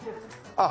あっ！